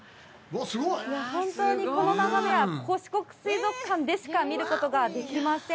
本当に、この眺めはここ、四国水族館でしか見ることができません。